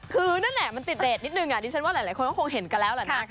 คือนั่นแหละมันติดเรทนิดนึงดิฉันว่าหลายคนก็คงเห็นกันแล้วแหละนะ